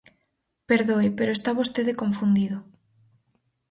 Perdoe, pero está vostede confundido.